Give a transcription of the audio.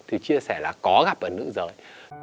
thì chia sẻ là có gặp ở nữ giới